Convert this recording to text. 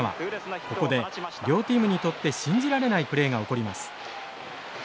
ここで両チームにとって信じられないプレーが起こります。